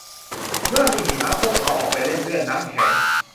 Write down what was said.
เมื่อมีหิมะ พวกเขาออกไปเล่นเลื่อนน้ำแข็ง